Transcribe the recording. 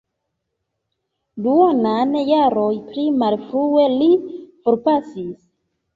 Duonan jaron pli malfrue li forpasis.